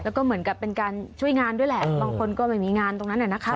แล้วก็เหมือนกับเป็นการช่วยงานด้วยแหละบางคนก็ไม่มีงานตรงนั้นน่ะนะคะ